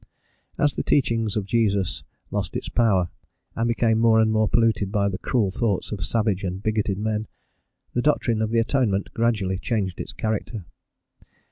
As the teaching of Jesus lost its power, and became more and more polluted by the cruel thoughts of savage and bigoted men, the doctrine of the atonement gradually changed its character.